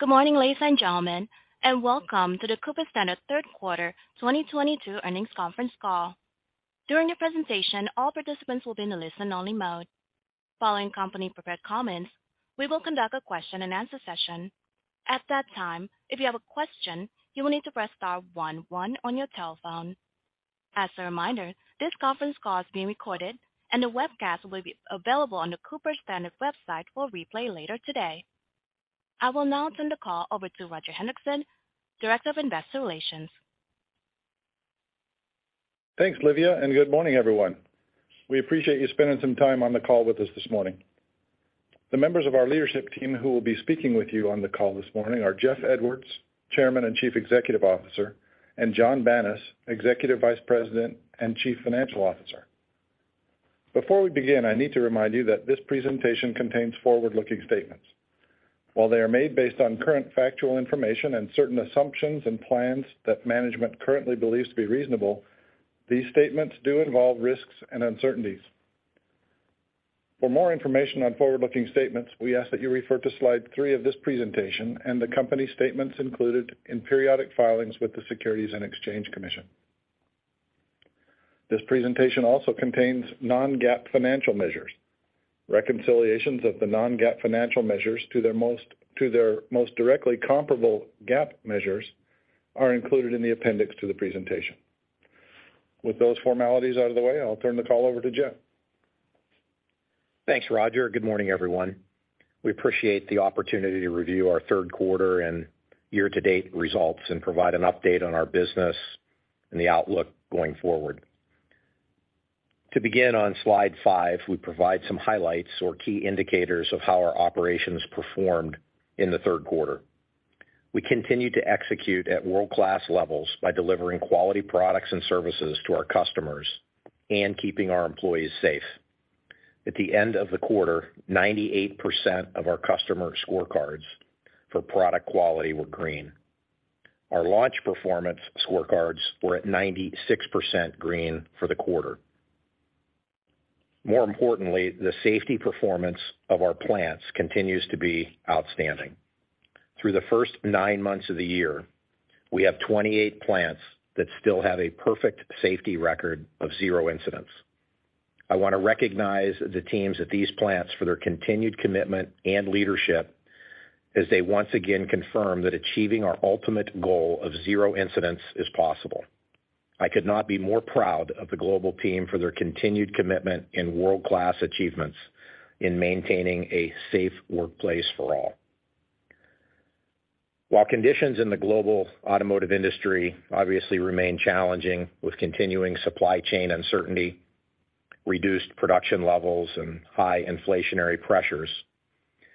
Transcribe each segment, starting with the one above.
Good morning, ladies and gentlemen, and welcome to the Cooper-Standard third quarter 2022 earnings conference call. During the presentation, all participants will be in a listen-only mode. Following company prepared comments, we will conduct a question-and-answer session. At that time, if you have a question, you will need to press star one one on your telephone. As a reminder, this conference call is being recorded and a webcast will be available on the Cooper-Standard's website for replay later today. I will now turn the call over to Roger Hendriksen, Director of Investor Relations. Thanks, Livia, and good morning, everyone. We appreciate you spending some time on the call with us this morning. The members of our leadership team who will be speaking with you on the call this morning are Jeff Edwards, Chairman and Chief Executive Officer, and John Banas, Executive Vice President and Chief Financial Officer. Before we begin, I need to remind you that this presentation contains forward-looking statements. While they are made based on current factual information and certain assumptions and plans that management currently believes to be reasonable, these statements do involve risks and uncertainties. For more information on forward-looking statements, we ask that you refer to slide three of this presentation and the company statements included in periodic filings with the Securities and Exchange Commission. This presentation also contains Non-GAAP financial measures. Reconciliations of the Non-GAAP financial measures to their most directly comparable GAAP measures are included in the appendix to the presentation. With those formalities out of the way, I'll turn the call over to Jeff. Thanks, Roger. Good morning, everyone. We appreciate the opportunity to review our third quarter and year-to-date results and provide an update on our business and the outlook going forward. To begin on slide five, we provide some highlights or key indicators of how our operations performed in the third quarter. We continue to execute at world-class levels by delivering quality products and services to our customers and keeping our employees safe. At the end of the quarter, 98% of our customer scorecards for product quality were green. Our launch performance scorecards were at 96% green for the quarter. More importantly, the safety performance of our plants continues to be outstanding. Through the first 9 months of the year, we have 28 plants that still have a perfect safety record of zero incidents. I wanna recognize the teams at these plants for their continued commitment and leadership as they once again confirm that achieving our ultimate goal of zero incidents is possible. I could not be more proud of the global team for their continued commitment and world-class achievements in maintaining a safe workplace for all. While conditions in the global automotive industry obviously remain challenging with continuing supply chain uncertainty, reduced production levels, and high inflationary pressures,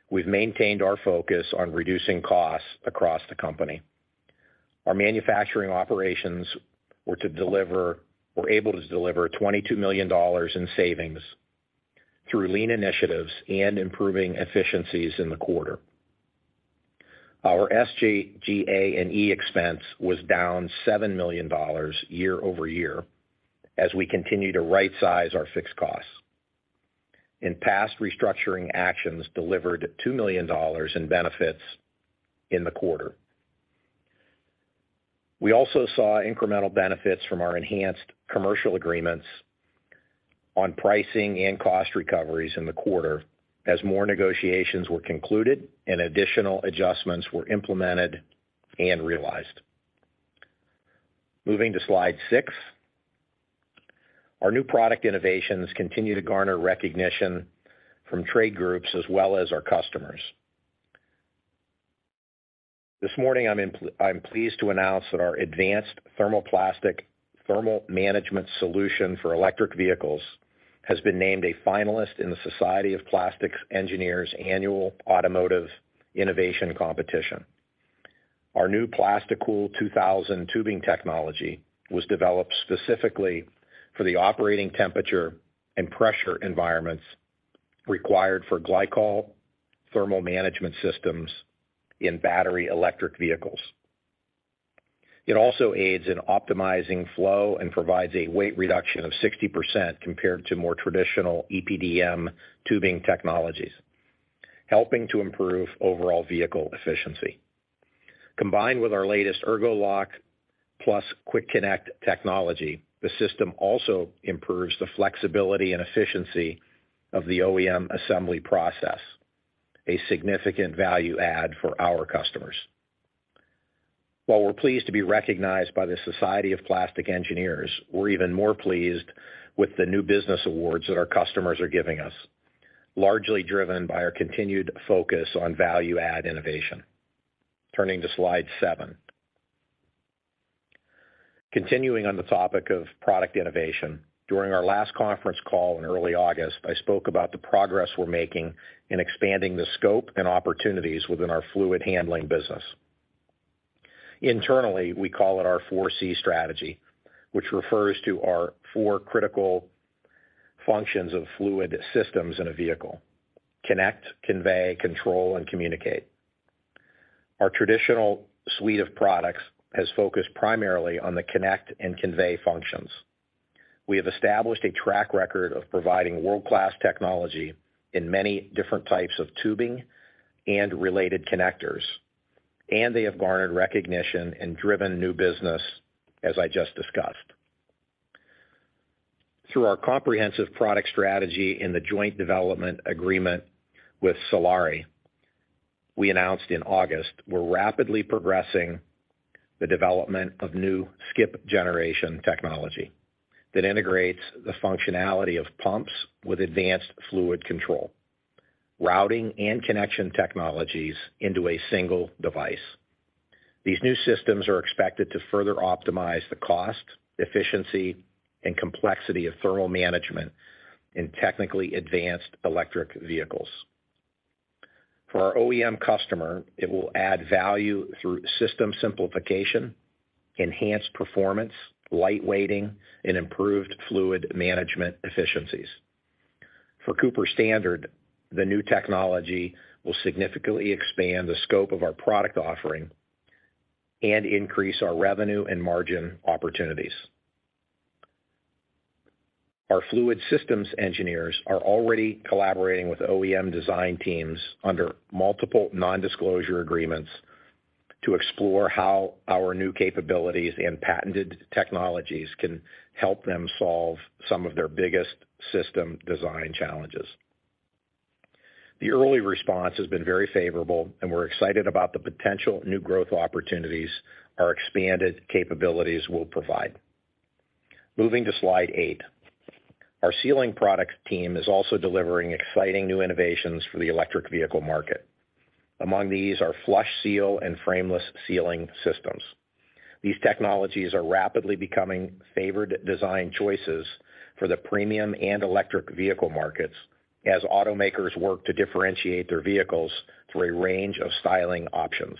we've maintained our focus on reducing costs across the company. Our manufacturing operations were able to deliver $22 million in savings through lean initiatives and improving efficiencies in the quarter. Our SG&A expense was down $7 million year-over-year as we continue to right size our fixed costs. Past restructuring actions delivered $2 million in benefits in the quarter. We also saw incremental benefits from our enhanced commercial agreements on pricing and cost recoveries in the quarter as more negotiations were concluded and additional adjustments were implemented and realized. Moving to slide six. Our new product innovations continue to garner recognition from trade groups as well as our customers. This morning, I'm pleased to announce that our advanced thermoplastic thermal management solution for electric vehicles has been named a finalist in the Society of Plastics Engineers Annual Automotive Innovation Competition. Our new PlastiCool 2000 tubing technology was developed specifically for the operating temperature and pressure environments required for glycol thermal management systems in battery electric vehicles. It also aids in optimizing flow and provides a weight reduction of 60% compared to more traditional EPDM tubing technologies, helping to improve overall vehicle efficiency. Combined with our latest Ergo-Lock plus quick connect technology, the system also improves the flexibility and efficiency of the OEM assembly process, a significant value add for our customers. While we're pleased to be recognized by the Society of Plastics Engineers, we're even more pleased with the new business awards that our customers are giving us, largely driven by our continued focus on value add innovation. Turning to slide seven. Continuing on the topic of product innovation, during our last conference call in early August, I spoke about the progress we're making in expanding the scope and opportunities within our Fluid Handling business. Internally, we call it our four C strategy, which refers to our four critical functions of fluid systems in a vehicle, connect, convey, control, and communicate. Our traditional suite of products has focused primarily on the connect and convey functions. We have established a track record of providing world-class technology in many different types of tubing and related connectors, and they have garnered recognition and driven new business, as I just discussed. Through our comprehensive product strategy in the joint development agreement with Saleri, we announced in August we're rapidly progressing the development of new next-generation technology that integrates the functionality of pumps with advanced fluid control, routing and connection technologies into a single device. These new systems are expected to further optimize the cost, efficiency, and complexity of thermal management in technically advanced electric vehicles. For our OEM customer, it will add value through system simplification, enhanced performance, light weighting, and improved fluid management efficiencies. For Cooper-Standard, the new technology will significantly expand the scope of our product offering and increase our revenue and margin opportunities. Our fluid systems engineers are already collaborating with OEM design teams under multiple non-disclosure agreements to explore how our new capabilities and patented technologies can help them solve some of their biggest system design challenges. The early response has been very favorable, and we're excited about the potential new growth opportunities our expanded capabilities will provide. Moving to slide eight. Our Sealing Products team is also delivering exciting new innovations for the electric vehicle market. Among these are flush seal and frameless sealing systems. These technologies are rapidly becoming favored design choices for the premium and electric vehicle markets as automakers work to differentiate their vehicles through a range of styling options.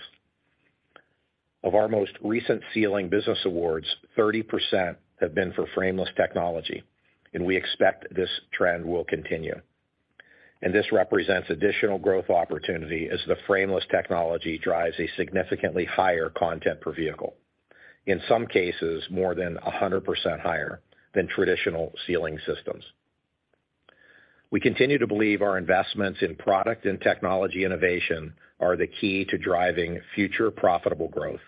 Of our most recent Sealing business awards, 30% have been for frameless technology, and we expect this trend will continue. This represents additional growth opportunity as the frameless technology drives a significantly higher content per vehicle, in some cases more than 100% higher than traditional Sealing systems. We continue to believe our investments in product and technology innovation are the key to driving future profitable growth.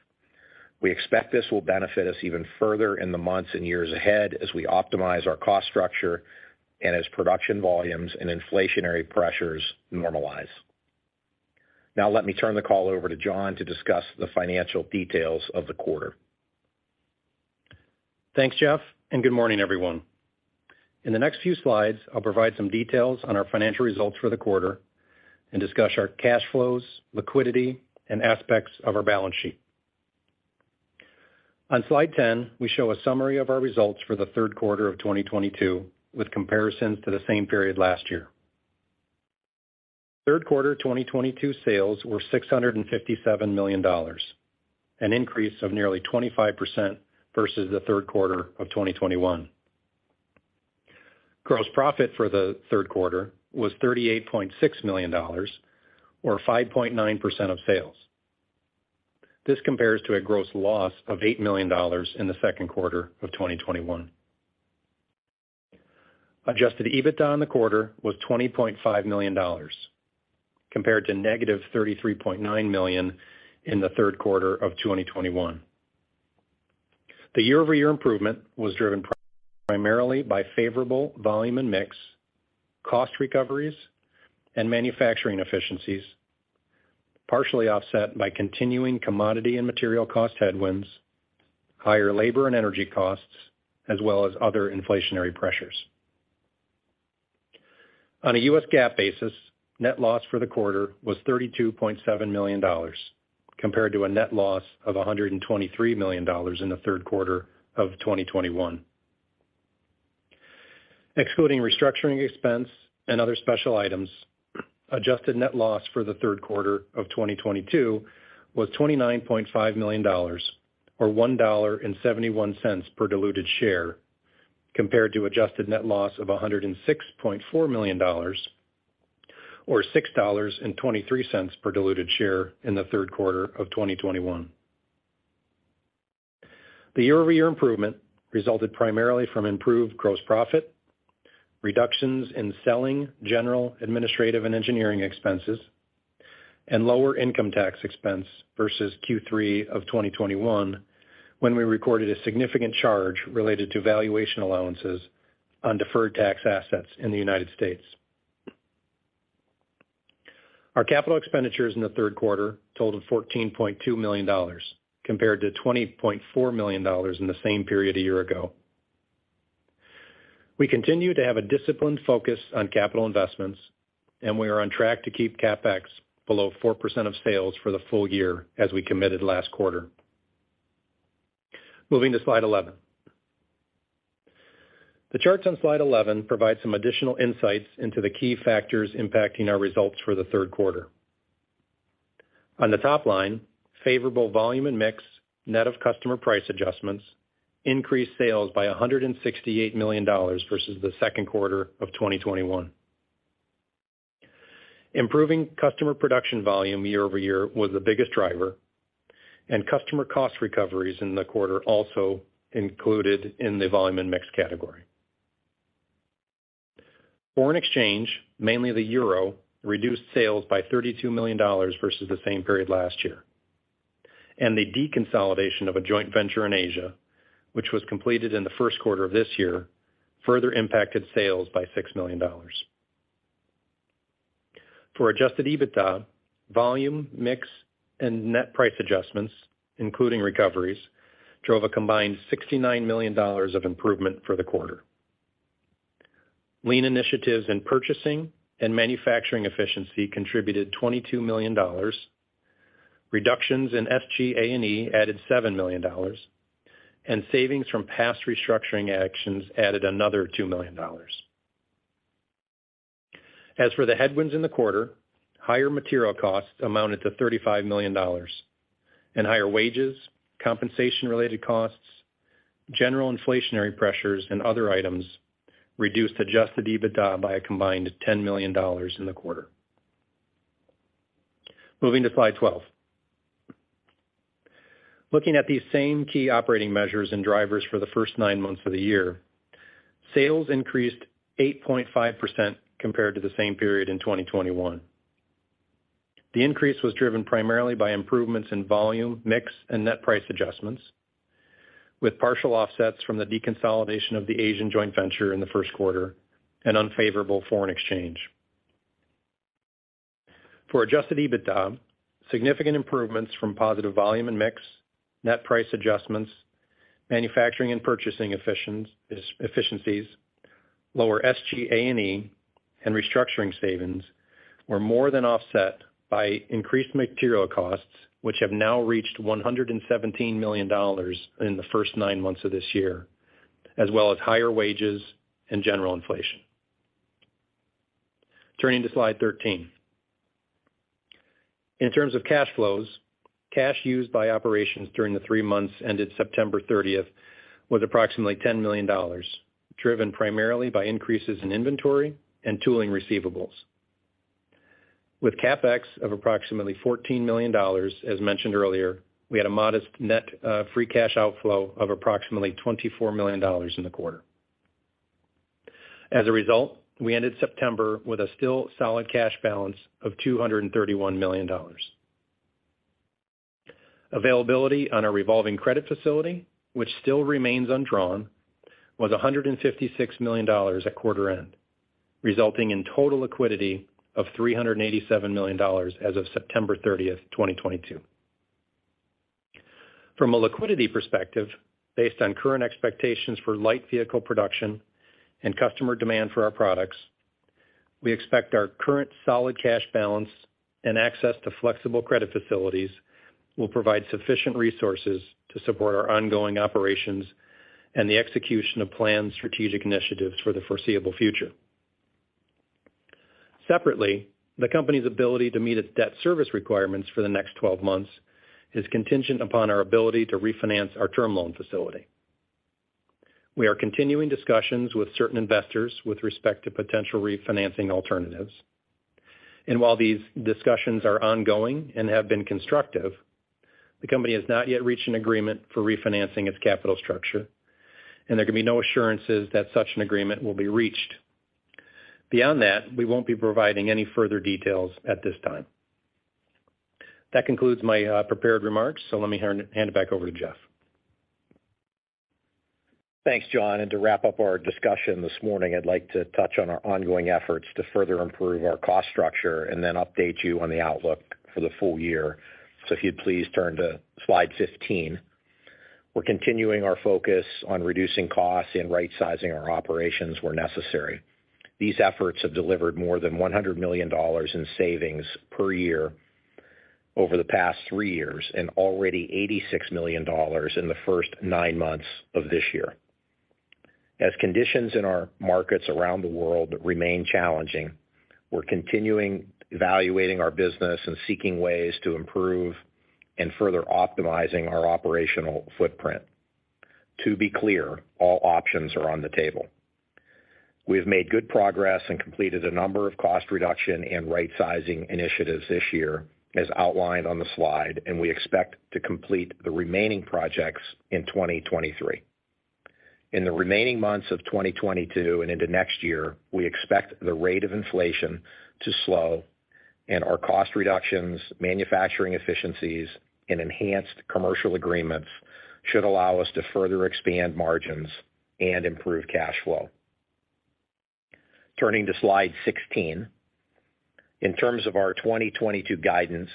We expect this will benefit us even further in the months and years ahead as we optimize our cost structure and as production volumes and inflationary pressures normalize. Now let me turn the call over to John to discuss the financial details of the quarter. Thanks, Jeff, and good morning, everyone. In the next few slides, I'll provide some details on our financial results for the quarter and discuss our cash flows, liquidity, and aspects of our balance sheet. On slide 10, we show a summary of our results for the third quarter of 2022, with comparisons to the same period last year. Third quarter 2022 sales were $657 million, an increase of nearly 25% versus the third quarter of 2021. Gross profit for the third quarter was $38.6 million or 5.9% of sales. This compares to a gross loss of $8 million in the second quarter of 2021. Adjusted EBITDA in the quarter was $20.5 million, compared to negative $33.9 million in the third quarter of 2021. The year-over-year improvement was driven primarily by favorable volume and mix, cost recoveries and manufacturing efficiencies, partially offset by continuing commodity and material cost headwinds, higher labor and energy costs, as well as other inflationary pressures. On a U.S. GAAP basis, net loss for the quarter was $32.7 million, compared to a net loss of $123 million in the third quarter of 2021. Excluding restructuring expense and other special items, adjusted net loss for the third quarter of 2022 was $29.5 million or $1.71 per diluted share, compared to adjusted net loss of $106.4 million or $6.23 per diluted share in the third quarter of 2021. The year-over-year improvement resulted primarily from improved gross profit, reductions in selling, general, administrative, and engineering expenses, and lower income tax expense versus Q3 of 2021, when we recorded a significant charge related to valuation allowances on deferred tax assets in the United States. Our capital expenditures in the third quarter totaled $14.2 million, compared to $20.4 million in the same period a year ago. We continue to have a disciplined focus on capital investments, and we are on track to keep CapEx below 4% of sales for the full year as we committed last quarter. Moving to slide 11. The charts on slide 11 provide some additional insights into the key factors impacting our results for the third quarter. On the top line, favorable volume and mix, net of customer price adjustments, increased sales by $168 million versus the second quarter of 2021. Improving customer production volume year-over-year was the biggest driver, and customer cost recoveries in the quarter also included in the volume and mix category. Foreign exchange, mainly the euro, reduced sales by $32 million versus the same period last year. The deconsolidation of a joint venture in Asia, which was completed in the first quarter of this year, further impacted sales by $6 million. For Adjusted EBITDA, volume, mix, and net price adjustments, including recoveries, drove a combined $69 million of improvement for the quarter. Lean initiatives in purchasing and manufacturing efficiency contributed $22 million. Reductions in SG&A added $7 million, and savings from past restructuring actions added another $2 million. As for the headwinds in the quarter, higher material costs amounted to $35 million, and higher wages, compensation-related costs, general inflationary pressures, and other items reduced Adjusted EBITDA by a combined $10 million in the quarter. Moving to slide 12. Looking at these same key operating measures and drivers for the first nine months of the year, sales increased 8.5% compared to the same period in 2021. The increase was driven primarily by improvements in volume, mix, and net price adjustments, with partial offsets from the deconsolidation of the Asian joint venture in the first quarter and unfavorable foreign exchange. For Adjusted EBITDA, significant improvements from positive volume and mix, net price adjustments, manufacturing and purchasing efficiencies, lower SG&A, and restructuring savings were more than offset by increased material costs, which have now reached $117 million in the first nine months of this year, as well as higher wages and general inflation. Turning to slide 13. In terms of cash flows, cash used by operations during the three months ended September 30 was approximately $10 million, driven primarily by increases in inventory and tooling receivables. With CapEx of approximately $14 million, as mentioned earlier, we had a modest net free cash outflow of approximately $24 million in the quarter. As a result, we ended September with a still solid cash balance of $231 million. Availability on our revolving credit facility, which still remains undrawn, was $156 million at quarter end, resulting in total liquidity of $387 million as of September 30, 2022. From a liquidity perspective, based on current expectations for light vehicle production and customer demand for our products, we expect our current solid cash balance and access to flexible credit facilities will provide sufficient resources to support our ongoing operations and the execution of planned strategic initiatives for the foreseeable future. Separately, the company's ability to meet its debt service requirements for the next twelve months is contingent upon our ability to refinance our term loan facility. We are continuing discussions with certain investors with respect to potential refinancing alternatives. While these discussions are ongoing and have been constructive, the company has not yet reached an agreement for refinancing its capital structure, and there can be no assurances that such an agreement will be reached. Beyond that, we won't be providing any further details at this time. That concludes my prepared remarks. Let me hand it back over to Jeff. Thanks, John. To wrap up our discussion this morning, I'd like to touch on our ongoing efforts to further improve our cost structure and then update you on the outlook for the full year. If you'd please turn to slide 15. We're continuing our focus on reducing costs and rightsizing our operations where necessary. These efforts have delivered more than $100 million in savings per year over the past 3 years and already $86 million in the first nine months of this year. As conditions in our markets around the world remain challenging, we're continuing to evaluate our business and seeking ways to improve and further optimize our operational footprint. To be clear, all options are on the table. We have made good progress and completed a number of cost reduction and rightsizing initiatives this year, as outlined on the slide, and we expect to complete the remaining projects in 2023. In the remaining months of 2022 and into next year, we expect the rate of inflation to slow and our cost reductions, manufacturing efficiencies, and enhanced commercial agreements should allow us to further expand margins and improve cash flow. Turning to slide 16. In terms of our 2022 guidance,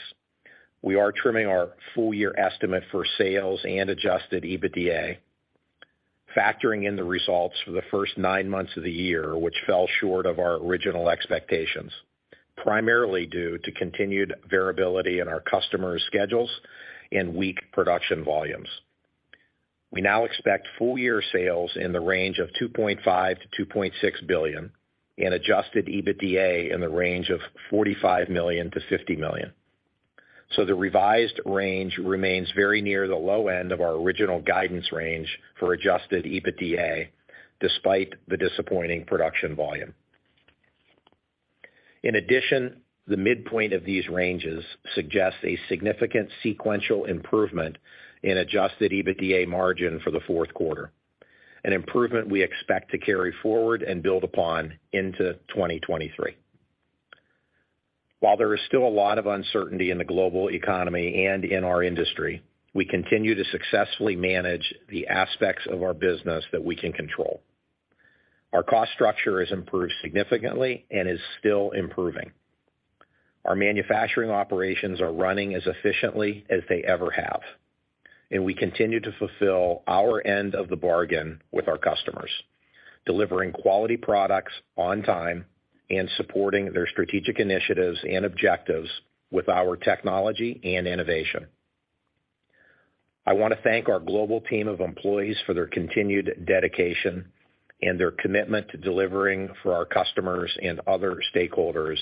we are trimming our full year estimate for sales and Adjusted EBITDA, factoring in the results for the first 9 months of the year, which fell short of our original expectations, primarily due to continued variability in our customers' schedules and weak production volumes. We now expect full year sales in the range of $2.5 billion-$2.6 billion and Adjusted EBITDA in the range of $45 million-$50 million. The revised range remains very near the low end of our original guidance range for Adjusted EBITDA, despite the disappointing production volume. In addition, the midpoint of these ranges suggests a significant sequential improvement in Adjusted EBITDA margin for the fourth quarter, an improvement we expect to carry forward and build upon into 2023. While there is still a lot of uncertainty in the global economy and in our industry, we continue to successfully manage the aspects of our business that we can control. Our cost structure has improved significantly and is still improving. Our manufacturing operations are running as efficiently as they ever have, and we continue to fulfill our end of the bargain with our customers, delivering quality products on time and supporting their strategic initiatives and objectives with our technology and innovation. I wanna thank our global team of employees for their continued dedication and their commitment to delivering for our customers and other stakeholders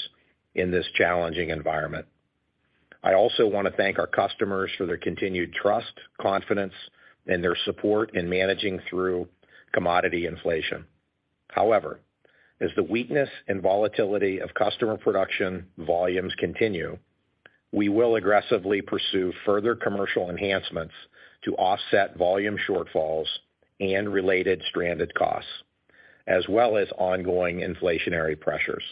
in this challenging environment. I also wanna thank our customers for their continued trust, confidence, and their support in managing through commodity inflation. However, as the weakness and volatility of customer production volumes continue, we will aggressively pursue further commercial enhancements to offset volume shortfalls and related stranded costs, as well as ongoing inflationary pressures.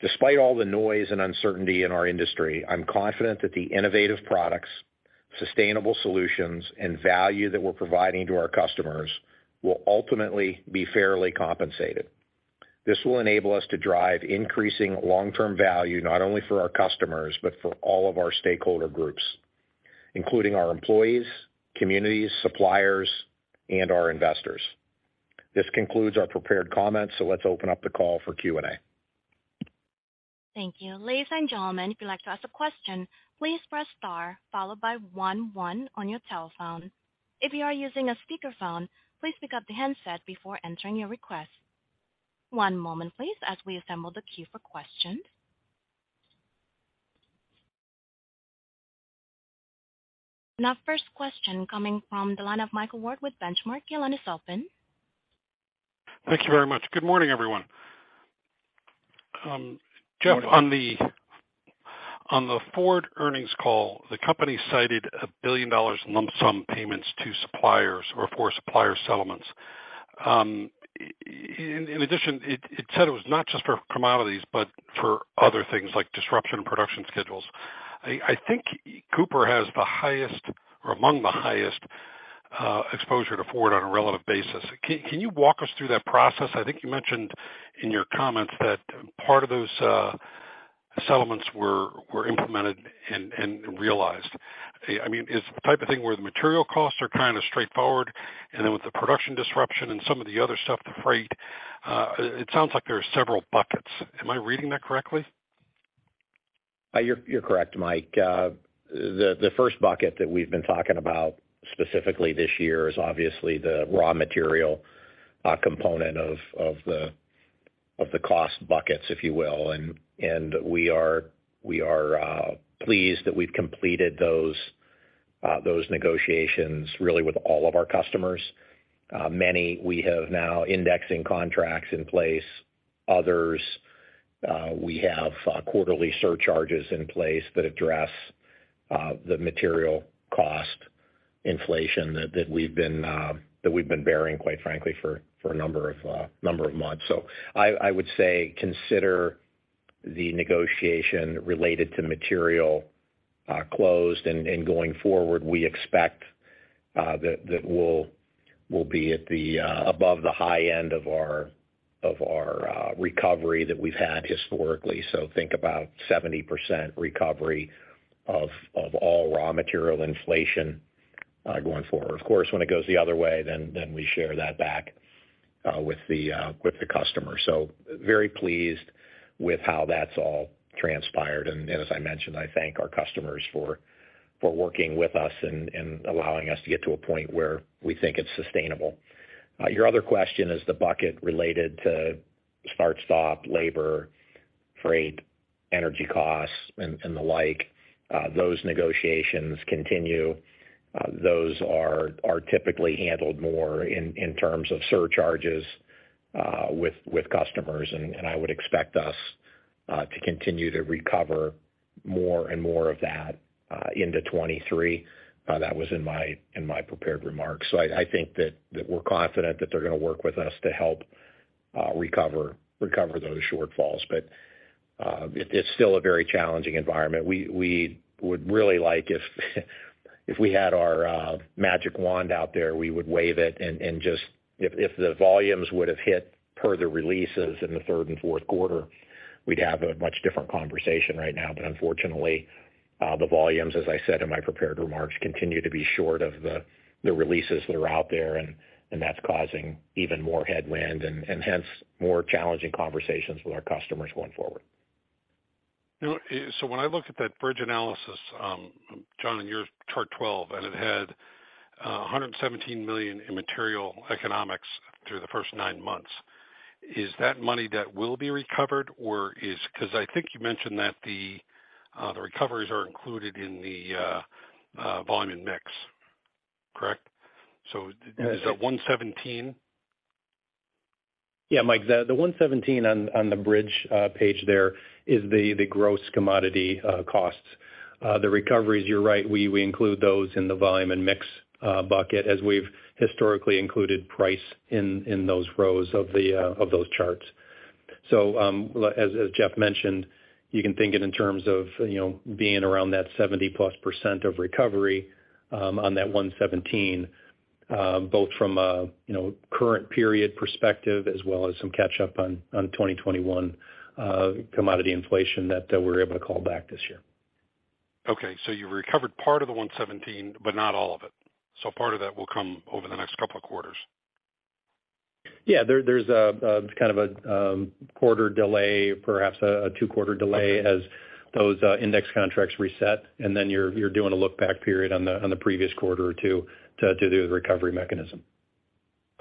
Despite all the noise and uncertainty in our industry, I'm confident that the innovative products, sustainable solutions, and value that we're providing to our customers will ultimately be fairly compensated. This will enable us to drive increasing long-term value, not only for our customers, but for all of our stakeholder groups, including our employees, communities, suppliers, and our investors. This concludes our prepared comments, so let's open up the call for Q&A. Thank you. Ladies and gentlemen, if you'd like to ask a question, please press star followed by one on your telephone. If you are using a speakerphone, please pick up the handset before entering your request. One moment, please, as we assemble the queue for questions. Now, first question coming from the line of Mike Ward with Benchmark. Your line is open. Thank you very much. Good morning, everyone. Good morning. Jeff, on the Ford earnings call, the company cited $1 billion lump sum payments to suppliers or for supplier settlements. In addition, it said it was not just for commodities, but for other things like disruption in production schedules. I think Cooper has the highest or among the highest exposure to Ford on a relative basis. Can you walk us through that process? I think you mentioned in your comments that part of those settlements were implemented and realized. I mean, is it the type of thing where the material costs are kind of straightforward, and then with the production disruption and some of the other stuff, the freight, it sounds like there are several buckets. Am I reading that correctly? You're correct, Mike. The first bucket that we've been talking about specifically this year is obviously the raw material component of the cost buckets, if you will. We are pleased that we've completed those negotiations really with all of our customers. Many we have now indexing contracts in place. Others, we have quarterly surcharges in place that address the material cost inflation that we've been bearing, quite frankly, for a number of months. I would say consider the negotiation related to material closed. Going forward, we expect that we'll be at or above the high end of our recovery that we've had historically. Think about 70% recovery of all raw material inflation going forward. Of course, when it goes the other way, then we share that back with the customer. Very pleased with how that's all transpired. As I mentioned, I thank our customers for working with us and allowing us to get to a point where we think it's sustainable. Your other question is the bucket related to start-stop, labor, freight, energy costs, and the like. Those negotiations continue. Those are typically handled more in terms of surcharges with customers. I would expect us to continue to recover more and more of that into 2023. That was in my prepared remarks. I think that we're confident that they're gonna work with us to help recover those shortfalls. It's still a very challenging environment. We would really like, if we had our magic wand out there, we would wave it. If the volumes would've hit per the releases in the third and fourth quarter, we'd have a much different conversation right now. Unfortunately, the volumes, as I said in my prepared remarks, continue to be short of the releases that are out there, and that's causing even more headwind and hence more challenging conversations with our customers going forward. You know, when I look at that bridge analysis, John, in your chart twelve, and it had $117 million in material economics through the first nine months. Is that money that will be recovered, or is 'cause I think you mentioned that the recoveries are included in the volume and mix. Correct? Is that 117? Yeah, Mike, the $117 on the bridge page there is the gross commodity costs. The recoveries, you're right, we include those in the volume and mix bucket as we've historically included price in those rows of those charts. As Jeff mentioned, you can think it in terms of, you know, being around that 70%+ of recovery on that $117 both from a, you know, current period perspective as well as some catch up on 2021 commodity inflation that we're able to call back this year. Okay. You recovered part of the $117, but not all of it. Part of that will come over the next couple of quarters. Yeah. There's a kind of quarter delay, perhaps a two-quarter delay. Okay. As those index contracts reset, and then you're doing a look back period on the previous quarter or two to do the recovery mechanism.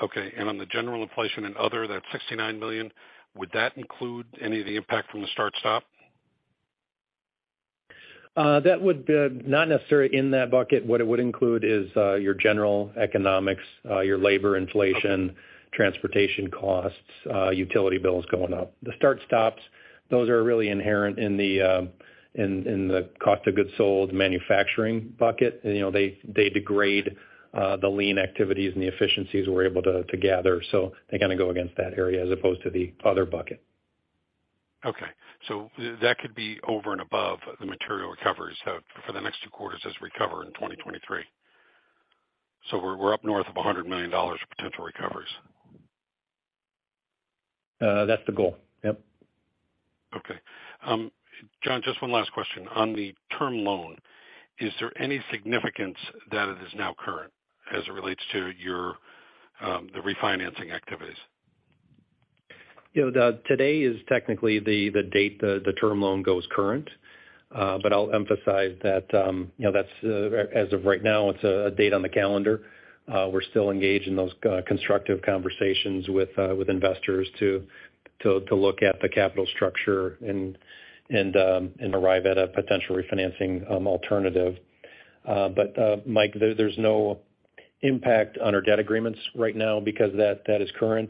Okay. On the general inflation and other, that $69 million, would that include any of the impact from the start-stop? That would not necessarily in that bucket. What it would include is your general economics, your labor inflation, transportation costs, utility bills going up. The start stops, those are really inherent in the cost of goods sold manufacturing bucket. You know, they degrade the lean activities and the efficiencies we're able to gather. They kind of go against that area as opposed to the other bucket. That could be over and above the material recoveries for the next two quarters as we recover in 2023. We're up north of $100 million for potential recoveries. That's the goal. Yep. Okay. John, just one last question. On the term loan, is there any significance that it is now current as it relates to your, the refinancing activities? You know, Mike, today is technically the date the term loan goes current. I'll emphasize that, you know, that's as of right now, it's a date on the calendar. We're still engaged in those constructive conversations with investors to look at the capital structure and arrive at a potential refinancing alternative. Mike, there's no impact on our debt agreements right now because that is current,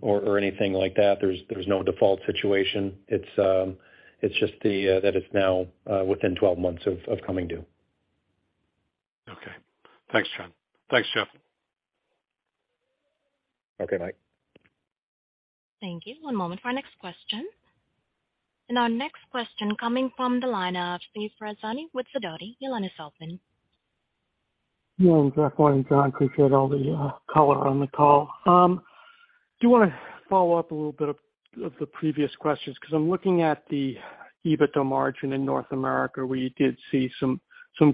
or anything like that. There's no default situation. It's just that it's now within 12 months of coming due. Okay. Thanks, John. Thanks, Jeff. Okay, Mike. Thank you. One moment for our next question. Our next question coming from the line of Steve Ferazani with Sidoti. Your line is open. Good morning, Jeff. Morning, John. Appreciate all the color on the call. Do wanna follow up a little bit of the previous questions 'cause I'm looking at the EBITDA margin in North America, where you did see some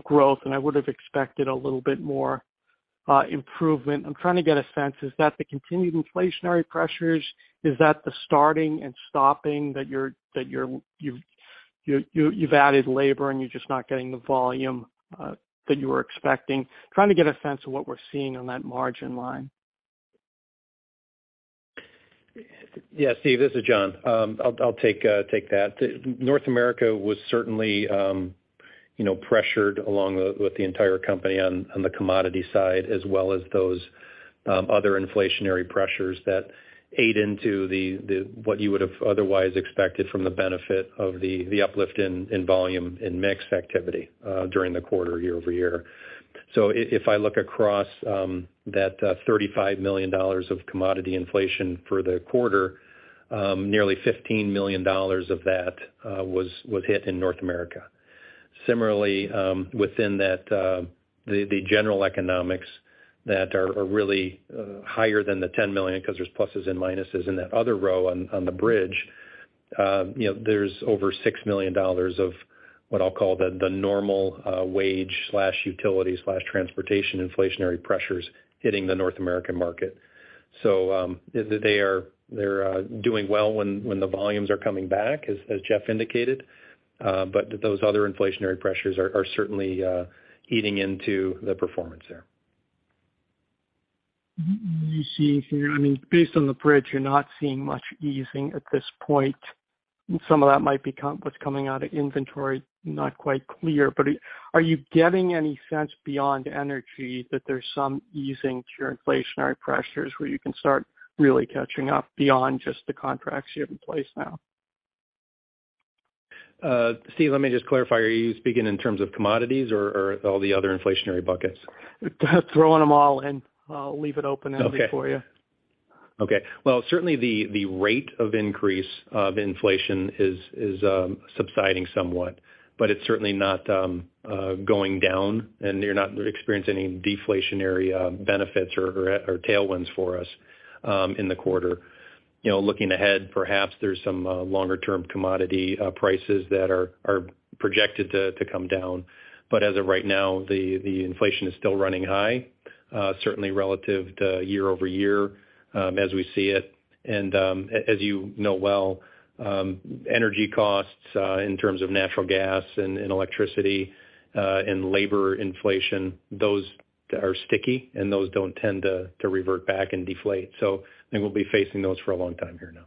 growth, and I would've expected a little bit more improvement. I'm trying to get a sense, is that the continued inflationary pressures, is that the starting and stopping that you've added labor and you're just not getting the volume that you were expecting? Trying to get a sense of what we're seeing on that margin line. Yeah, Steve, this is John. I'll take that. North America was certainly, you know, pressured along with the entire company on the commodity side as well as those other inflationary pressures that ate into the what you would have otherwise expected from the benefit of the uplift in volume and mix activity during the quarter year over year. If I look across that $35 million of commodity inflation for the quarter, nearly $15 million of that was hit in North America. Similarly, within that, the general economics that are really higher than the $10 million 'cause there's pluses and minuses in that other row on the bridge. You know, there's over $6 million of what I'll call the normal wage/utility/transportation inflationary pressures hitting the North American market. They are doing well when the volumes are coming back, as Jeff indicated. Those other inflationary pressures are certainly eating into the performance there. You see here, I mean, based on the bridge, you're not seeing much easing at this point. Some of that might be what's coming out of inventory, not quite clear. Are you getting any sense beyond energy that there's some easing to your inflationary pressures where you can start really catching up beyond just the contracts you have in place now? Steve, let me just clarify. Are you speaking in terms of commodities or all the other inflationary buckets? Throwing them all in. I'll leave it open-ended for you. Okay. Well, certainly the rate of increase of inflation is subsiding somewhat, but it's certainly not going down, and you're not experiencing any deflationary benefits or tailwinds for us in the quarter. You know, looking ahead, perhaps there's some longer term commodity prices that are projected to come down. As of right now, the inflation is still running high. Certainly relative to year-over-year, as we see it. As you know well, energy costs in terms of natural gas and electricity and labor inflation, those are sticky, and those don't tend to revert back and deflate. I think we'll be facing those for a long time here now.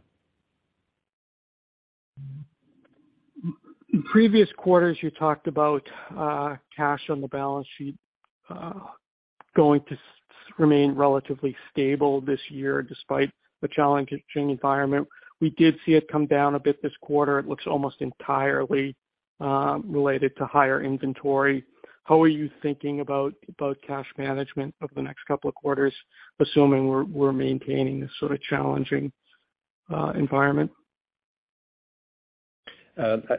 In previous quarters, you talked about cash on the balance sheet going to remain relatively stable this year, despite the challenging environment. We did see it come down a bit this quarter. It looks almost entirely related to higher inventory. How are you thinking about cash management over the next couple of quarters, assuming we're maintaining this sort of challenging environment?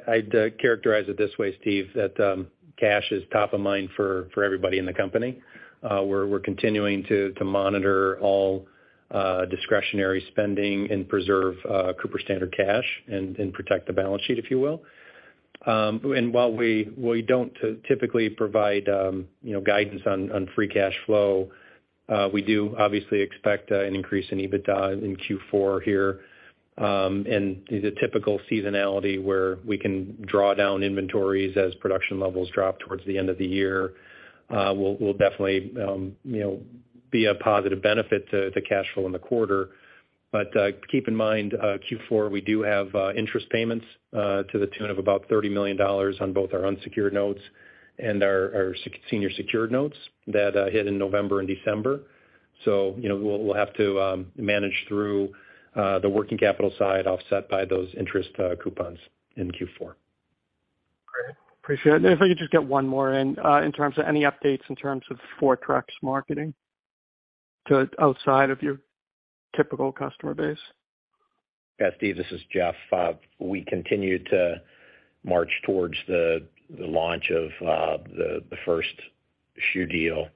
I'd characterize it this way, Steve, that cash is top of mind for everybody in the company. We're continuing to monitor all discretionary spending and preserve Cooper-Standard cash and protect the balance sheet, if you will. While we don't typically provide you know, guidance on free cash flow, we do obviously expect an increase in EBITDA in Q4 here. The typical seasonality where we can draw down inventories as production levels drop towards the end of the year will definitely you know, be a positive benefit to cash flow in the quarter. Keep in mind, Q4, we do have interest payments to the tune of about $30 million on both our unsecured notes and our senior secured notes that hit in November and December. You know, we'll have to manage through the working capital side offset by those interest coupons in Q4. Great. Appreciate it. If I could just get one more in. In terms of any updates in terms of Fortrex marketing to outside of your typical customer base. Yeah, Steve, this is Jeff. We continue to march towards the launch of the first new deal.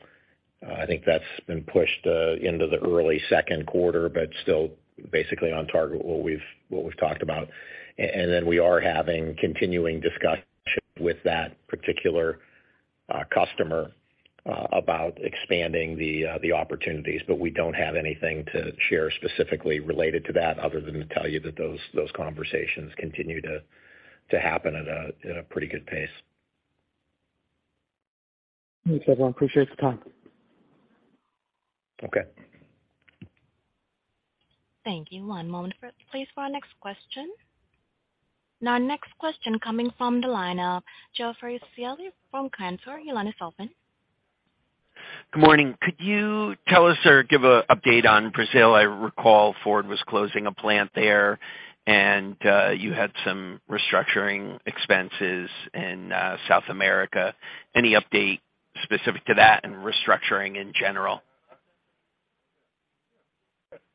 I think that's been pushed into the early second quarter, but still basically on target what we've talked about. We are having continuing discussions with that particular customer about expanding the opportunities, but we don't have anything to share specifically related to that other than to tell you that those conversations continue to happen at a pretty good pace. Thanks, everyone. Appreciate the time. Okay. Thank you. One moment, please, for our next question. Our next question coming from the line of Jeffrey Seely from Clancer. Your line is open. Good morning. Could you tell us or give an update on Brazil? I recall Ford was closing a plant there, and you had some restructuring expenses in South America. Any update specific to that and restructuring in general?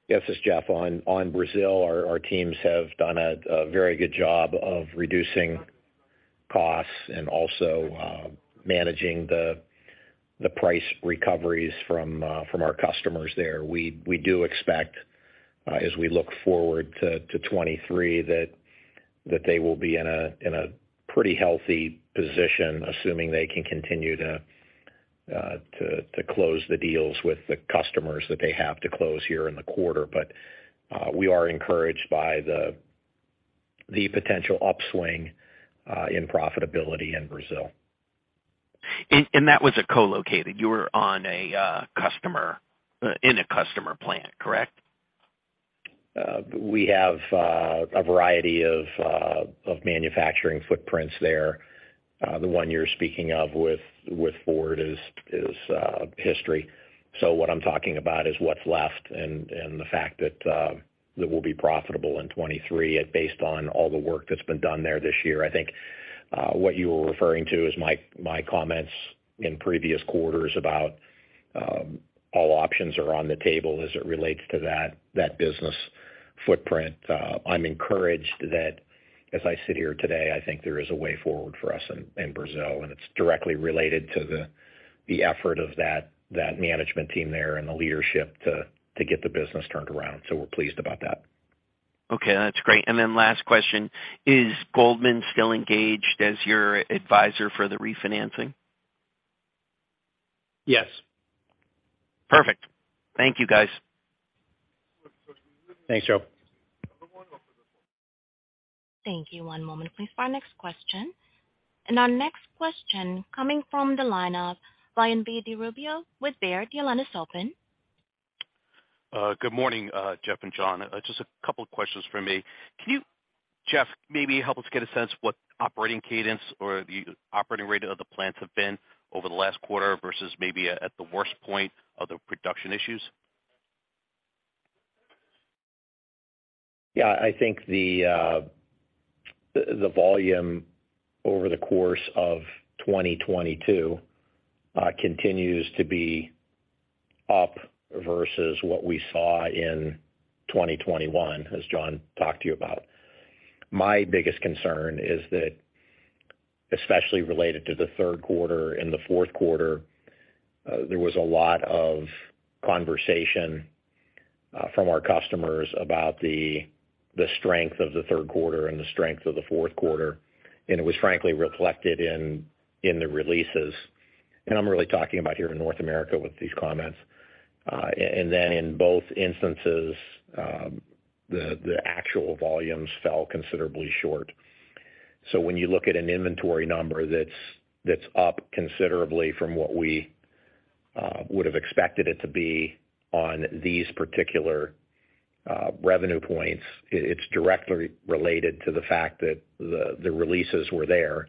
Yes, this is Jeff. On Brazil, our teams have done a very good job of reducing costs and also managing the price recoveries from our customers there. We do expect, as we look forward to 2023, that they will be in a pretty healthy position, assuming they can continue to close the deals with the customers that they have to close here in the quarter. We are encouraged by the potential upswing in profitability in Brazil. That was a co-located. You were in a customer plant, correct? We have a variety of manufacturing footprints there. The one you're speaking of with Ford is history. What I'm talking about is what's left and the fact that we'll be profitable in 2023 based on all the work that's been done there this year. I think what you were referring to is my comments in previous quarters about all options are on the table as it relates to that business footprint. I'm encouraged that as I sit here today, I think there is a way forward for us in Brazil, and it's directly related to the effort of that management team there and the leadership to get the business turned around. We're pleased about that. Okay, that's great. Last question. Is Goldman still engaged as your advisor for the refinancing? Yes. Perfect. Thank you, guys. Thanks, Jeff. Thank you. One moment, please, for our next question. Our next question coming from the line of Brian DiRubbio with Baird. Your line is open. Good morning, Jeff and John. Just a couple of questions from me. Can you, Jeff, maybe help us get a sense what operating cadence or the operating rate of the plants have been over the last quarter versus maybe at the worst point of the production issues? Yeah, I think the volume over the course of 2022 continues to be up versus what we saw in 2021, as John talked to you about. My biggest concern is that, especially related to the third quarter and the fourth quarter, there was a lot of conversation from our customers about the strength of the third quarter and the strength of the fourth quarter, and it was frankly reflected in the releases. I'm really talking about here in North America with these comments. Then in both instances, the actual volumes fell considerably short. When you look at an inventory number that's up considerably from what we would have expected it to be on these particular revenue points, it's directly related to the fact that the releases were there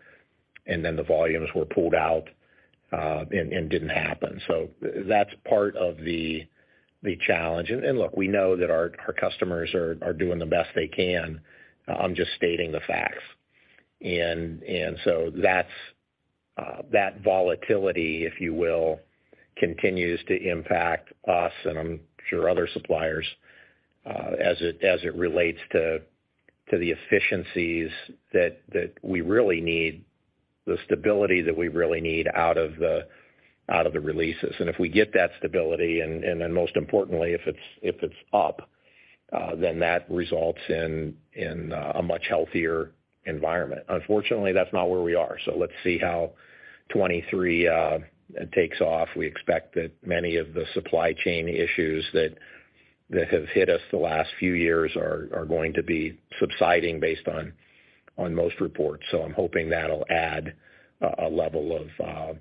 and then the volumes were pulled out and didn't happen. That's part of the challenge. Look, we know that our customers are doing the best they can. I'm just stating the facts. That's that volatility, if you will, continues to impact us, and I'm sure other suppliers as it relates to the efficiencies that we really need, the stability that we really need out of the releases. If we get that stability and then most importantly, if it's up, then that results in a much healthier environment. Unfortunately, that's not where we are. Let's see how 2023 takes off. We expect that many of the supply chain issues that have hit us the last few years are going to be subsiding based on most reports. I'm hoping that'll add a level of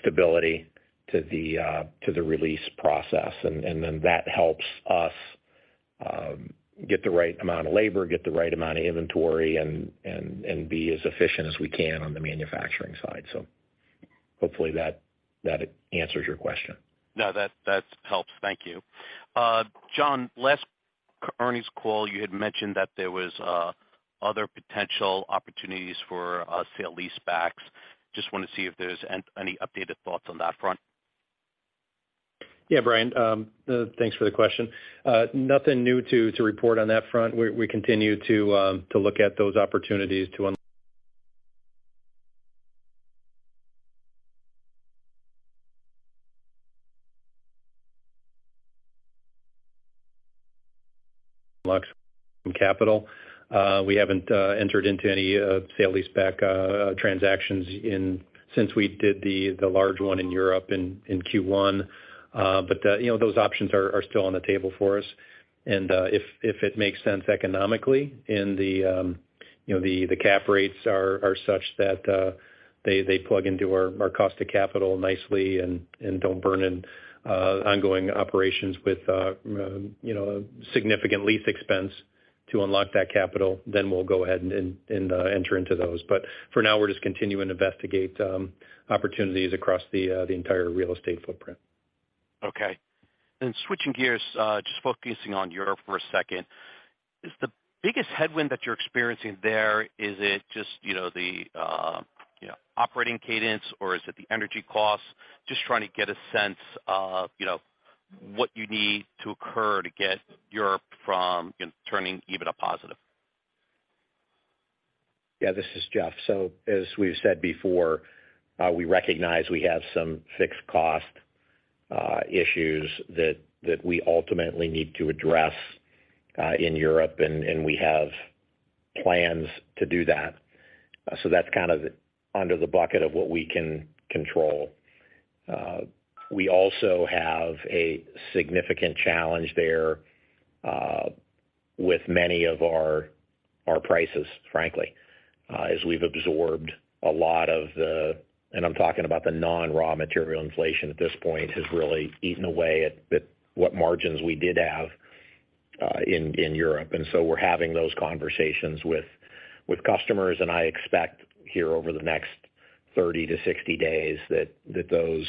stability to the release process. That helps us get the right amount of labor, get the right amount of inventory and be as efficient as we can on the manufacturing side. Hopefully that answers your question. No, that helps. Thank you. John, last earnings call, you had mentioned that there was other potential opportunities for a sale-leasebacks. Just wanna see if there's any updated thoughts on that front. Yeah, Brian, thanks for the question. Nothing new to report on that front. We continue to look at those opportunities to unlock some capital. We haven't entered into any sale-leaseback transactions since we did the large one in Europe in Q1. You know, those options are still on the table for us. If it makes sense economically and the you know, the cap rates are such that they plug into our cost of capital nicely and don't burn in ongoing operations with you know, significant lease expense to unlock that capital, then we'll go ahead and enter into those. For now, we're just continuing to investigate opportunities across the entire real estate footprint. Okay. Switching gears, just focusing on Europe for a second. Is the biggest headwind that you're experiencing there, is it just, you know, the, you know, operating cadence, or is it the energy costs? Just trying to get a sense of, you know, what you need to occur to get Europe from turning EBITDA positive. Yeah, this is Jeff Edwards. As we've said before, we recognize we have some fixed cost issues that we ultimately need to address in Europe, and we have plans to do that. That's kind of under the bucket of what we can control. We also have a significant challenge there with many of our prices, frankly, as we've absorbed a lot of the non-raw material inflation. I'm talking about the non-raw material inflation at this point has really eaten away at what margins we did have in Europe. We're having those conversations with customers, and I expect here over the next 30-60 days that those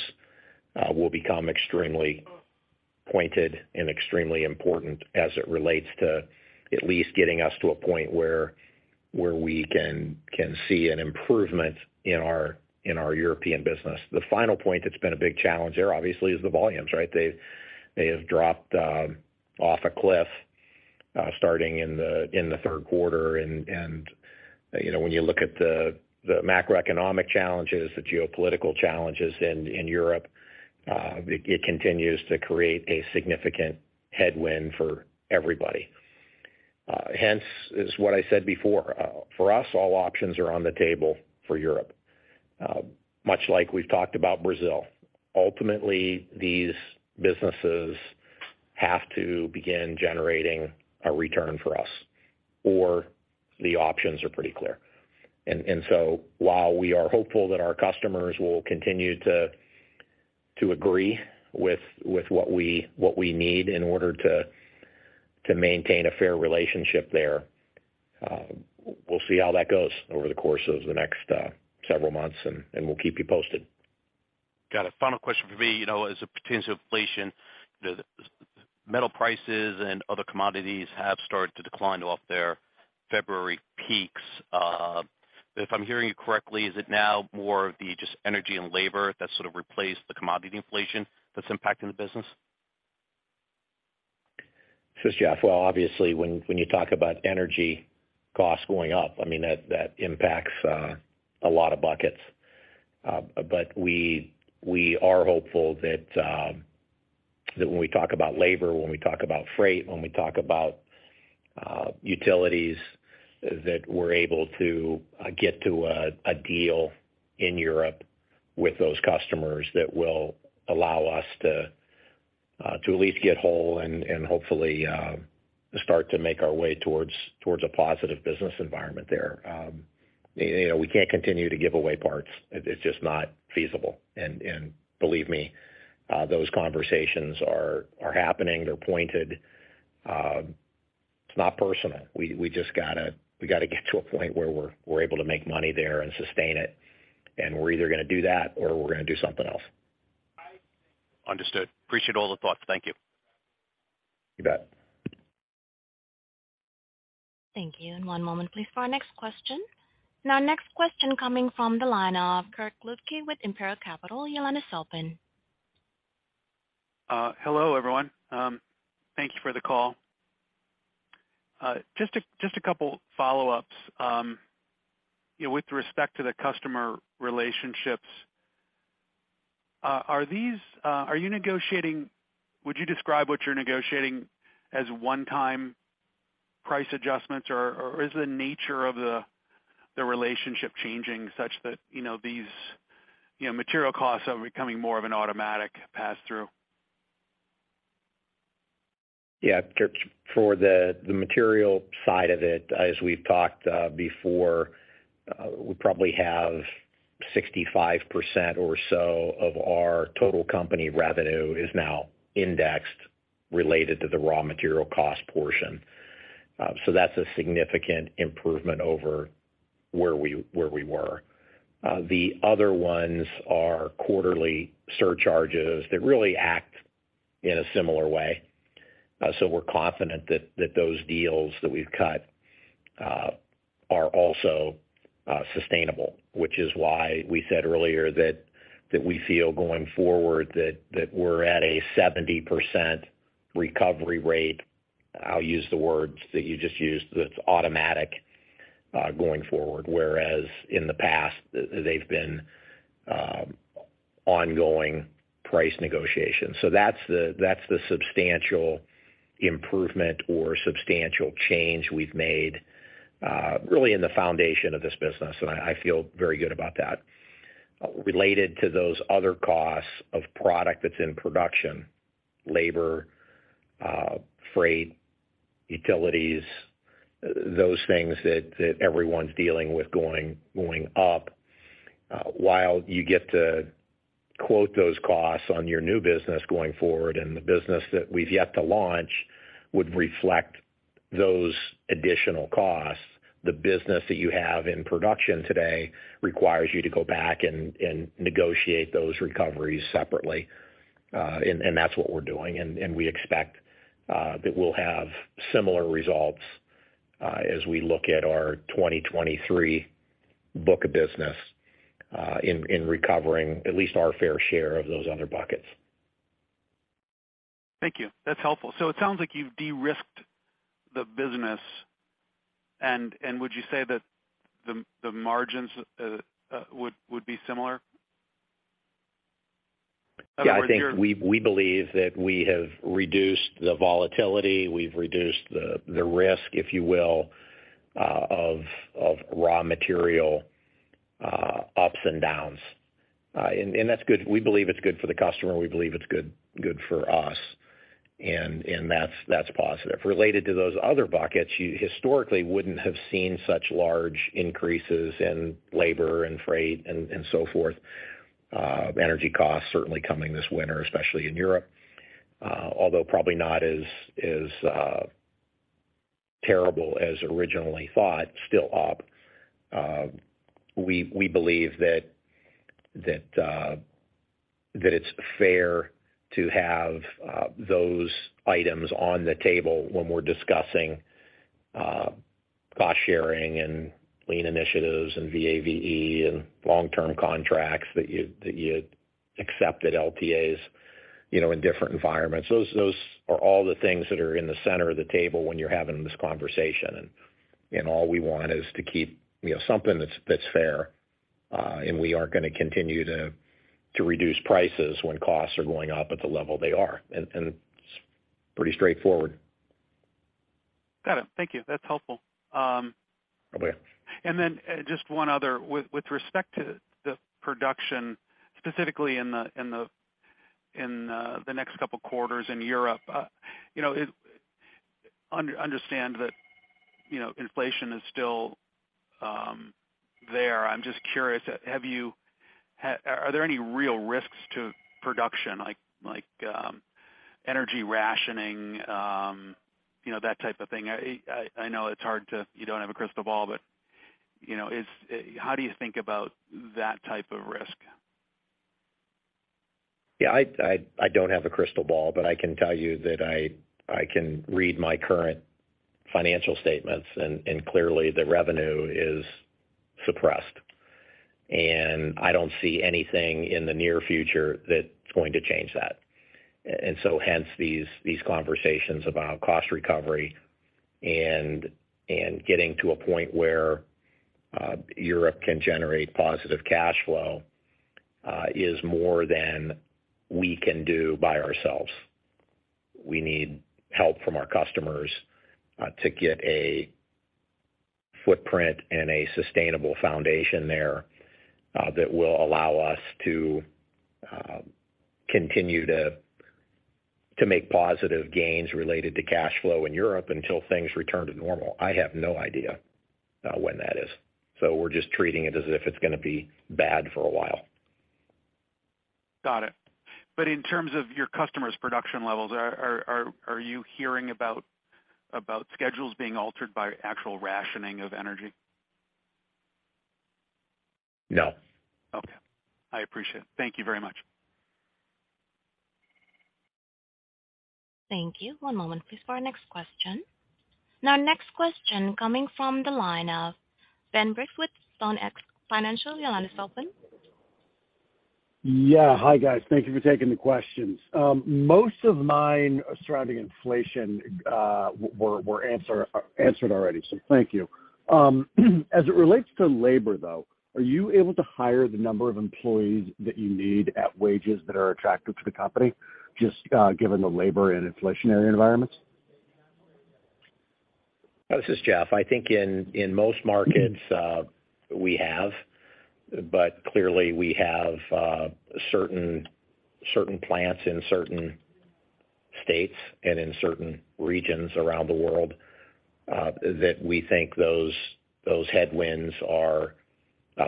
will become extremely pointed and extremely important as it relates to at least getting us to a point where we can see an improvement in our European business. The final point that's been a big challenge there obviously is the volumes, right? They have dropped off a cliff starting in the third quarter. You know, when you look at the macroeconomic challenges, the geopolitical challenges in Europe, it continues to create a significant headwind for everybody. Hence is what I said before. For us, all options are on the table for Europe. Much like we've talked about Brazil. Ultimately, these businesses have to begin generating a return for us, or the options are pretty clear. While we are hopeful that our customers will continue to agree with what we need in order to maintain a fair relationship there, we'll see how that goes over the course of the next several months, and we'll keep you posted. Got it. Final question for me. You know, as it pertains to inflation, the metal prices and other commodities have started to decline off their February peaks. If I'm hearing you correctly, is it now more of just the energy and labor that sort of replaced the commodity inflation that's impacting the business? This is Jeff. Well, obviously, when you talk about energy costs going up, I mean, that impacts a lot of buckets. But we are hopeful that when we talk about labor, when we talk about freight, when we talk about utilities, that we're able to get to a deal in Europe with those customers that will allow us to at least get whole and hopefully start to make our way towards a positive business environment there. You know, we can't continue to give away parts. It's just not feasible. Believe me, those conversations are happening. They're pointed. It's not personal. We just gotta get to a point where we're able to make money there and sustain it, and we're either gonna do that or we're gonna do something else. Understood. Appreciate all the thoughts. Thank you. You bet. Thank you. One moment, please, for our next question. Our next question coming from the line of Kirk Ludtke with Imperial Capital, Yelena Salpin. Hello, everyone. Thank you for the call. Just a couple follow-ups. You know, with respect to the customer relationships, are you negotiating. Would you describe what you're negotiating as one-time price adjustments, or is the nature of the relationship changing such that, you know, these, you know, material costs are becoming more of an automatic pass-through? Yeah. Kirk, for the material side of it, as we've talked before, we probably have 65% or so of our total company revenue is now indexed related to the raw material cost portion. So that's a significant improvement over where we were. The other ones are quarterly surcharges that really act in a similar way. So we're confident that those deals that we've cut are also sustainable, which is why we said earlier that we feel going forward that we're at a 70% recovery rate. I'll use the words that you just used, that it's automatic going forward, whereas in the past, they've been ongoing price negotiations. That's the substantial improvement or substantial change we've made, really in the foundation of this business, and I feel very good about that. Related to those other costs of product that's in production, labor, freight, utilities, those things that everyone's dealing with going up, while you get to quote those costs on your new business going forward and the business that we've yet to launch would reflect those additional costs. The business that you have in production today requires you to go back and negotiate those recoveries separately. That's what we're doing. We expect that we'll have similar results as we look at our 2023 book of business in recovering at least our fair share of those other buckets. Thank you. That's helpful. It sounds like you've de-risked the business. Would you say that the margins would be similar? In other words, you're- Yeah, I think we believe that we have reduced the volatility, we've reduced the risk, if you will, of raw material ups and downs. That's good. We believe it's good for the customer, we believe it's good for us, and that's positive. Related to those other buckets, you historically wouldn't have seen such large increases in labor and freight and so forth. Energy costs certainly coming this winter, especially in Europe, although probably not as terrible as originally thought, still up. We believe that it's fair to have those items on the table when we're discussing cost-sharing and lean initiatives and VAVE and long-term contracts that you accept at LTAs, you know, in different environments. Those are all the things that are in the center of the table when you're having this conversation. All we want is to keep, you know, something that's fair, and we aren't gonna continue to reduce prices when costs are going up at the level they are. It's pretty straightforward. Got it. Thank you. That's helpful. Okay. Just one other. With respect to the production, specifically in the next couple quarters in Europe, you know, understand that, you know, inflation is still there. I'm just curious, are there any real risks to production like energy rationing, you know, that type of thing? I know it's hard to. You don't have a crystal ball, but, you know, how do you think about that type of risk? Yeah, I don't have a crystal ball, but I can tell you that I can read my current financial statements and clearly the revenue is suppressed. I don't see anything in the near future that's going to change that. Hence these conversations about cost recovery and getting to a point where Europe can generate positive cash flow is more than we can do by ourselves. We need help from our customers to get a footprint and a sustainable foundation there that will allow us to continue to make positive gains related to cash flow in Europe until things return to normal. I have no idea when that is. We're just treating it as if it's gonna be bad for a while. Got it. In terms of your customers' production levels, are you hearing about schedules being altered by actual rationing of energy? No. Okay, I appreciate it. Thank you very much. Thank you. One moment please for our next question. Now next question coming from the line of Benjamin Briggs with StoneX Financial. Your line is open. Yeah. Hi, guys. Thank you for taking the questions. Most of mine surrounding inflation were answered already, so thank you. As it relates to labor, though, are you able to hire the number of employees that you need at wages that are attractive to the company, just given the labor and inflationary environments? This is Jeff. I think in most markets, but clearly we have certain plants in certain states and in certain regions around the world that we think those headwinds are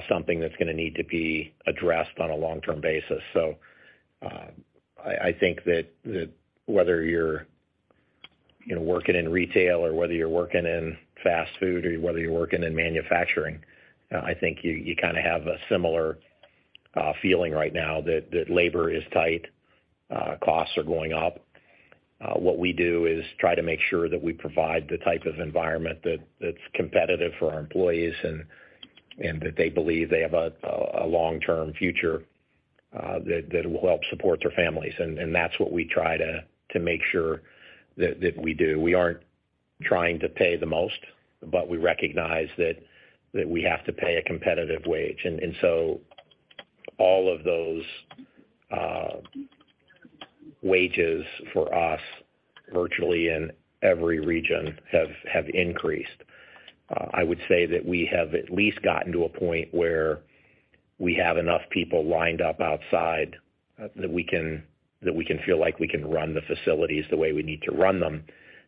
something that's gonna need to be addressed on a long-term basis. I think that whether you're, you know, working in retail or whether you're working in fast food or whether you're working in manufacturing, I think you kind of have a similar feeling right now that labor is tight, costs are going up. What we do is try to make sure that we provide the type of environment that's competitive for our employees and that they believe they have a long-term future that will help support their families. That's what we try to make sure that we do. We aren't trying to pay the most, but we recognize that we have to pay a competitive wage. All of those wages for us virtually in every region have increased. I would say that we have at least gotten to a point where we have enough people lined up outside that we can feel like we can run the facilities the way we need to run them,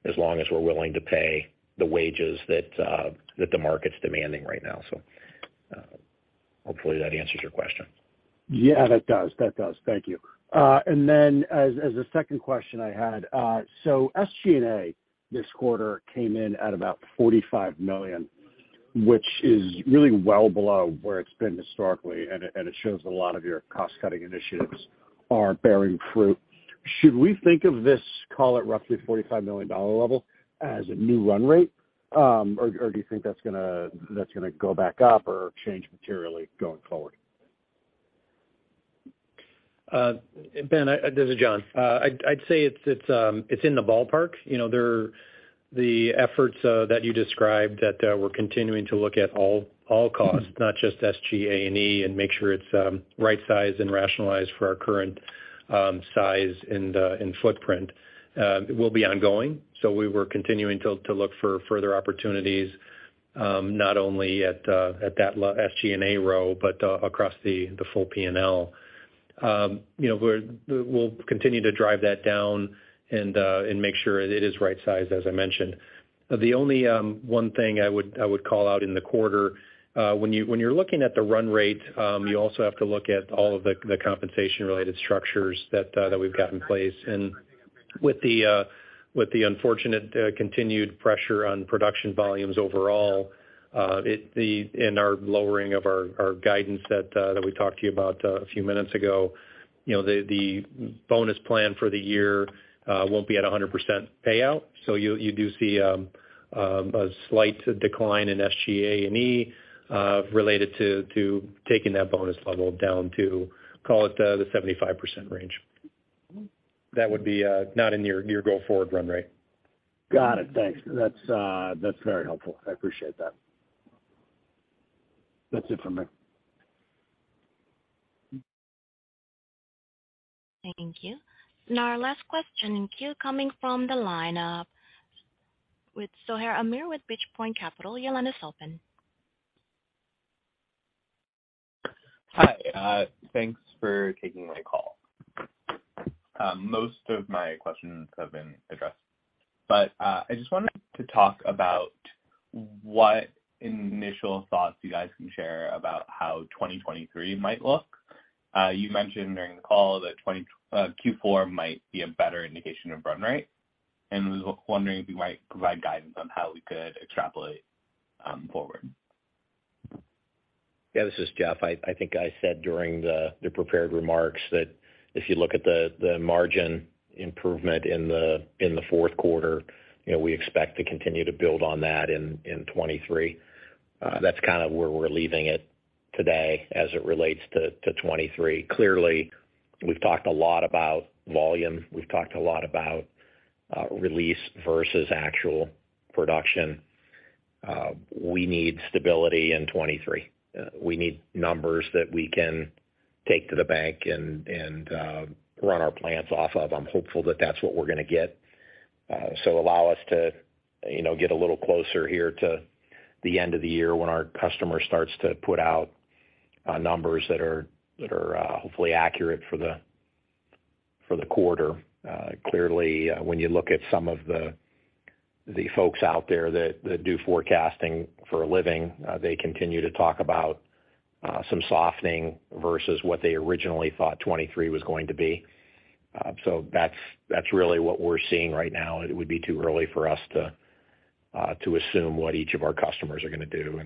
as long as we're willing to pay the wages that the market's demanding right now. Hopefully that answers your question. Yeah, that does. Thank you. As a second question I had, so SG&A this quarter came in at about $45 million, which is really well below where it's been historically, and it shows a lot of your cost-cutting initiatives are bearing fruit. Should we think of this, call it roughly $45 million level, as a new run rate? Or do you think that's gonna go back up or change materially going forward? Ben, this is John. I'd say it's in the ballpark. You know, the efforts that you described that we're continuing to look at all costs, not just SG&A, and make sure it's right-sized and rationalized for our current size and footprint will be ongoing. We were continuing to look for further opportunities, not only at SG&A row, but across the full P&L. You know, we'll continue to drive that down and make sure it is right-sized, as I mentioned. The only one thing I would call out in the quarter, when you're looking at the run rate, you also have to look at all of the compensation-related structures that we've got in place. With the unfortunate continued pressure on production volumes overall, in our lowering of our guidance that we talked to you about a few minutes ago, you know, the bonus plan for the year won't be at 100% payout. You do see a slight decline in SG&A related to taking that bonus level down to, call it, the 75% range. That would be not in your go-forward run rate. Got it. Thanks. That's very helpful. I appreciate that. That's it for me. Thank you. Now our last question in queue coming from the line of, with Soher Amir with Bridgepoint Capital. Your line is open. Hi. Thanks for taking my call. Most of my questions have been addressed, but I just wanted to talk about what initial thoughts you guys can share about how 2023 might look. You mentioned during the call that Q4 might be a better indication of run rate, and I was wondering if you might provide guidance on how we could extrapolate forward. Yeah, this is Jeff. I think I said during the prepared remarks that if you look at the margin improvement in the fourth quarter, you know, we expect to continue to build on that in 2023. That's kind of where we're leaving it today as it relates to 2023. Clearly, we've talked a lot about volume. We've talked a lot about release versus actual production. We need stability in 2023. We need numbers that we can take to the bank and run our plants off of. I'm hopeful that that's what we're gonna get. Allow us to, you know, get a little closer here to the end of the year when our customer starts to put out numbers that are hopefully accurate for the quarter. Clearly, when you look at some of the folks out there that do forecasting for a living, they continue to talk about some softening versus what they originally thought 2023 was going to be. That's really what we're seeing right now. It would be too early for us to assume what each of our customers are gonna do.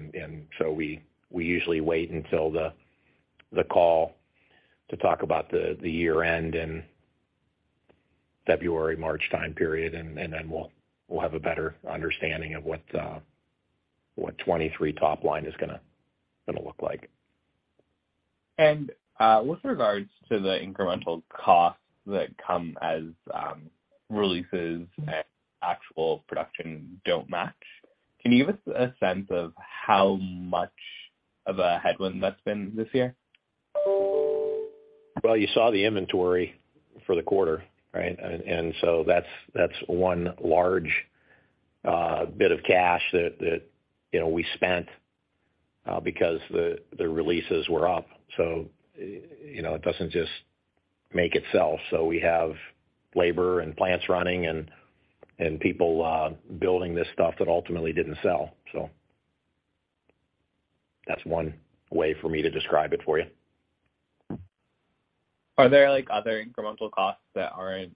We usually wait until the call to talk about the year-end and February, March time period, and then we'll have a better understanding of what 2023 top line is gonna look like. With regards to the incremental costs that come as releases and actual production don't match, can you give us a sense of how much of a headwind that's been this year? Well, you saw the inventory for the quarter, right? That's one large bit of cash that you know we spent because the releases were up. You know, it doesn't just make itself. We have labor and plants running and people building this stuff that ultimately didn't sell. That's one way for me to describe it for you. Are there, like, other incremental costs that aren't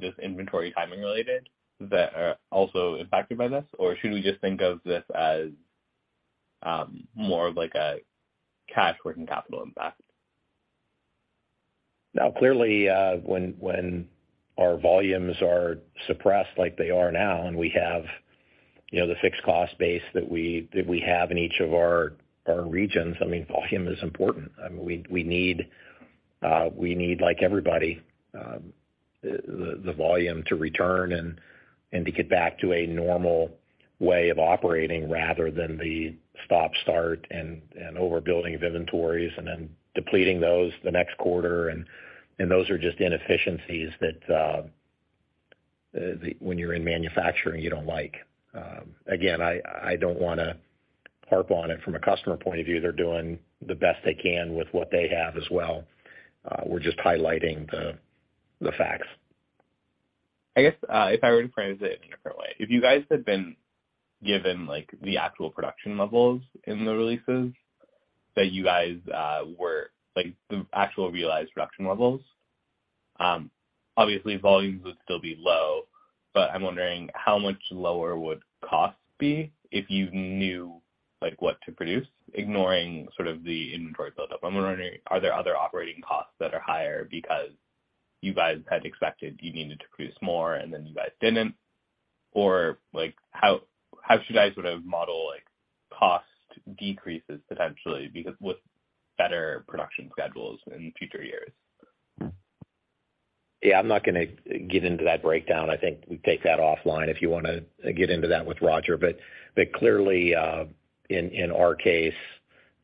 just inventory timing related that are also impacted by this? Or should we just think of this as more of like a cash working capital impact? Now, clearly, when our volumes are suppressed like they are now and we have, you know, the fixed cost base that we have in each of our regions, I mean, volume is important. I mean, we need, like everybody, the volume to return and to get back to a normal way of operating rather than the stop-start and overbuilding of inventories and then depleting those the next quarter. Those are just inefficiencies that when you're in manufacturing, you don't like. Again, I don't wanna harp on it from a customer point of view. They're doing the best they can with what they have as well. We're just highlighting the facts. I guess, if I were to phrase it in a different way. If you guys had been given, like, the actual production levels in the releases that you guys, like, the actual realized production levels, obviously volumes would still be low, but I'm wondering how much lower would costs be if you knew, like, what to produce, ignoring sort of the inventory buildup? I'm wondering, are there other operating costs that are higher because you guys had expected you needed to produce more and then you guys didn't? Or, like, how should I sort of model, like, cost decreases potentially because with better production schedules in future years? Yeah, I'm not gonna get into that breakdown. I think we take that offline if you wanna get into that with Roger. Clearly, in our case,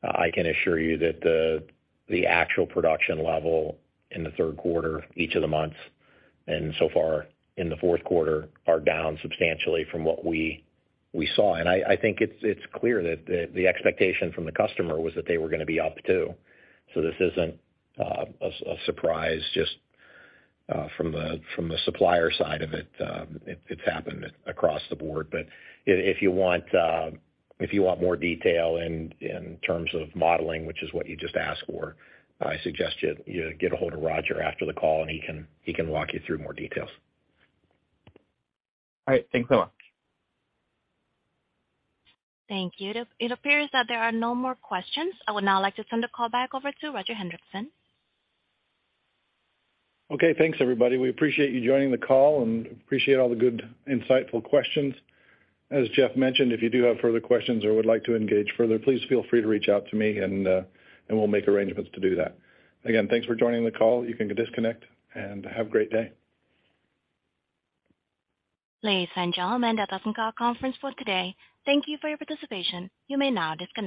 I can assure you that the actual production level in the third quarter, each of the months, and so far in the fourth quarter, are down substantially from what we saw. I think it's clear that the expectation from the customer was that they were gonna be up too. This isn't a surprise just from the supplier side of it. It's happened across the board. If you want more detail in terms of modeling, which is what you just asked for, I suggest you get a hold of Roger after the call, and he can walk you through more details. All right. Thanks so much. Thank you. It appears that there are no more questions. I would now like to turn the call back over to Roger S. Hendriksen. Okay. Thanks, everybody. We appreciate you joining the call and appreciate all the good, insightful questions. As Jeff mentioned, if you do have further questions or would like to engage further, please feel free to reach out to me and we'll make arrangements to do that. Again, thanks for joining the call. You can disconnect, and have a great day. Ladies and gentlemen, that does end our conference for today. Thank you for your participation. You may now disconnect.